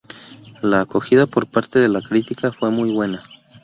La acogida por parte de la crítica fue muy buena.